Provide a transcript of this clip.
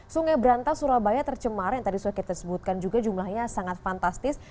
sungai berantas surabaya tercemar yang tadi sudah kita sebutkan juga jumlahnya sangat fantastis